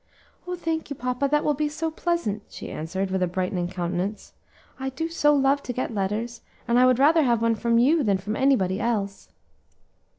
"Oh! thank you, papa; that will be so pleasant," she answered, with a brightening countenance. "I do so love to get letters, and I would rather have one from you than from anybody else."